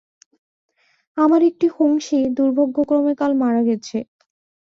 আমার একটি হংসী দুর্ভাগ্যক্রমে কাল মারা গেছে।